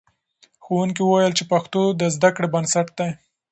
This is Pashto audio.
ښوونکي وویل چې پښتو د زده کړې بنسټ دی.